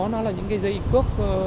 nó là những cái dây cước